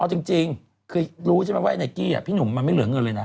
เอาจริงคือรู้ใช่ไหมว่าไนกี้พี่หนุ่มมันไม่เหลือเงินเลยนะ